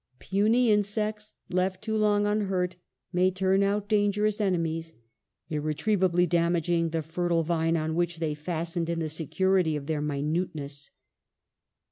Puny insects, left too long unhurt, may turn out dangerous enemies irretrievably damaging the fertile vine on which they fastened in the security of their minuteness.